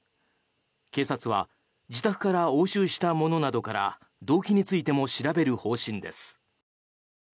警察は自宅から押収したものなどから動機についても調べる方針です。